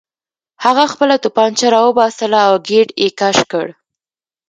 هغه خپله توپانچه راوباسله او ګېټ یې کش کړ